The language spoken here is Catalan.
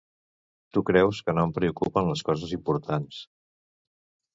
Tu creus que no em preocupen les coses importants.